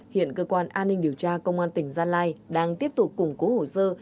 hiện cơ quan an ninh điều tra công an tỉnh gia lai đang tiếp tục củng cố hồ sơ